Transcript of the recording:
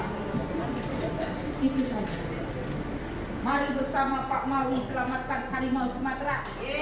mari bersama pak mauwi selamatkan harimau sumatera